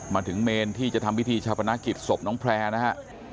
มาถึงเมนที่จะทำพิธีชาปนกิจศพน้องแพร่นะฮะ